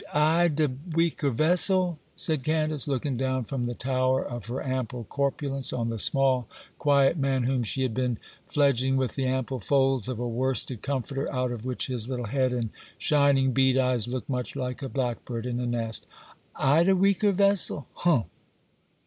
'I de weaker vessel?' said Candace, looking down from the tower of her ample corpulence on the small, quiet man whom she had been fledging with the ample folds of a worsted comforter, out of which his little head and shining bead eyes looked much like a blackbird in a nest,—'I de weaker vessel? Umph!